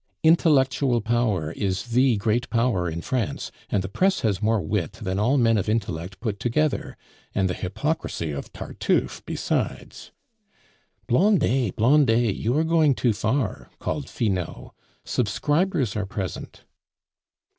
Intellectual power is the great power in France; and the press has more wit than all men of intellect put together, and the hypocrisy of Tartufe besides." "Blondet! Blondet! you are going too far!" called Finot. "Subscribers are present."